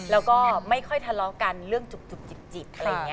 แล้วก็ไม่ค่อยทะเลาะกันเรื่องจุบจิบ